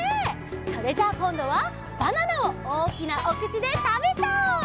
それじゃあこんどはバナナをおおきなおくちでたべちゃおう！